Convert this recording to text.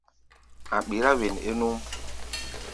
A̧ ɓirá wen é núʼm.